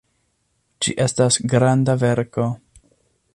Ĝi estas granda verko.